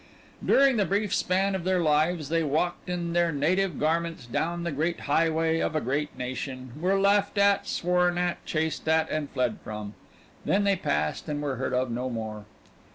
During the brief span of their lives they walked in their native garments down the great highway of a great nation; were laughed at, sworn at, chased, and fled from. Then they passed and were heard of no more.